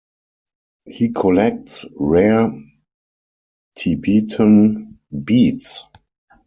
He collects rare Tibetan beads.